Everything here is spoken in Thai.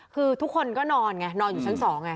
คือทุกคนก็นอนอย่างนี้นอนอยู่ชั้น๒